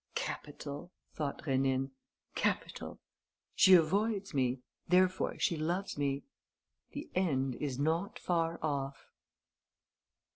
"Capital!" thought Rénine. "Capital! She avoids me, therefore she loves me. The end is not far off."